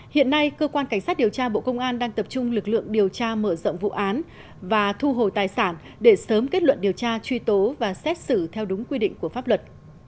hiện nay cơ quan cảnh sát điều tra bộ công an đang tập trung lực lượng điều tra mở rộng vụ án và thu hồi tài sản để sớm kết luận điều tra truy tố và xét xử theo đúng quy định của pháp luật